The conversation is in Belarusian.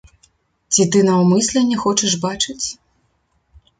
Ці ты наўмысля не хочаш бачыць?